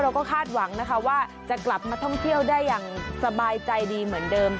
คาดหวังนะคะว่าจะกลับมาท่องเที่ยวได้อย่างสบายใจดีเหมือนเดิม